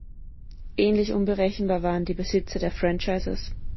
Ähnlich unberechenbar waren die Besitzer der Franchises.